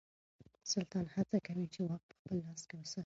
سلطان هڅه کوي چې واک په خپل لاس کې وساتي.